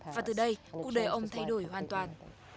và từ đây cuộc đời ông thay đổi hoàn toàn